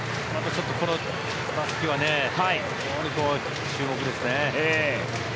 この打席は非常に注目ですね。